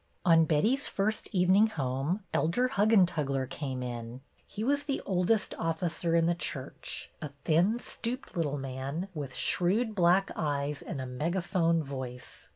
On Betty's first evening home. Elder Hug gentugler came in. He was the oldest officer in the church, a thin, stooped little man, with shrewd black eyes and a megaphone voice.